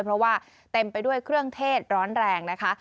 เพราะว่าเต็มไปด้วยเครื่องเทศร้อนแรงนะคะ